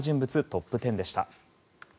トップ１０でした。